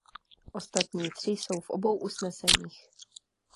Ostatní tři jsou v obou usneseních.